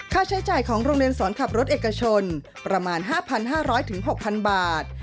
ค่าใช้จ่ายของโรงเรียนสอนขับรถเอกชนประมาณ๕๕๐๐๖๐๐บาท